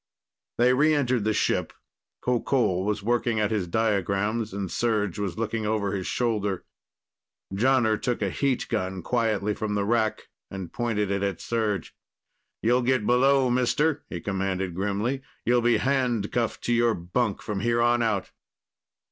They re entered the ship. Qoqol was working at his diagrams, and Serj was looking over his shoulder. Jonner took a heat gun quietly from the rack and pointed it at Serj. "You'll get below, mister," he commanded grimly. "You'll be handcuffed to your bunk from here on out."